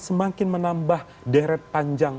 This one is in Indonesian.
semakin menambah deret panjang